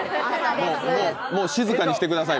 もう静かにしてください。